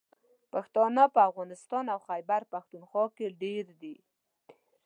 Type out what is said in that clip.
پښتانه په افغانستان او خیبر پښتونخوا کې ډېر دي.